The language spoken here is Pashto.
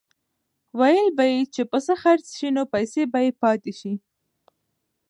ویل به یې چې پسه خرڅ شي خو پیسې به یې پاتې شي.